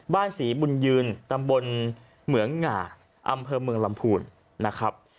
บ้านศรีบุญยืนตำบลเหมืองหง่าอำเภอเมืองลำพูนนะครับ